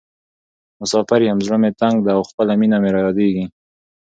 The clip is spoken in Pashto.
مسافر یم زړه مې تنګ ده او خپله مینه مې رایادیزې.